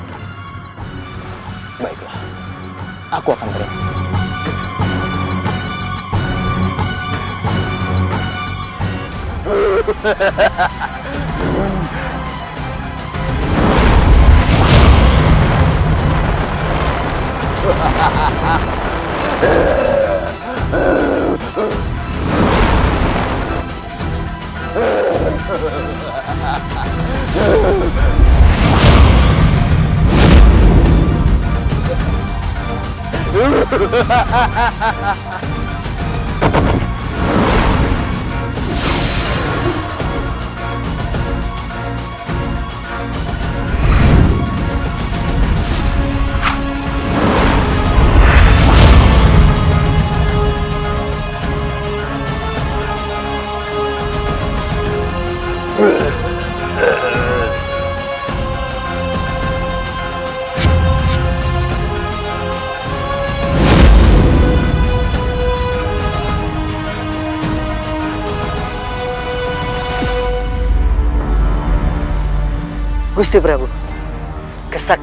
tidak kau tidak bisa melarikan diri dari anak panah